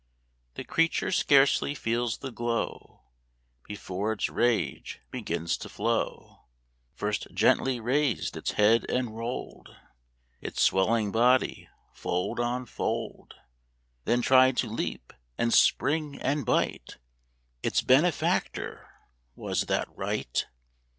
The creature scarcely feels the glow, Before its rage begins to flow: First gently raised its head, and rolled Its swelling body, fold on fold; Then tried to leap, and spring, and bite Its benefactor; was that right?